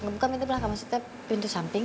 membuka pintu belakang maksudnya pintu samping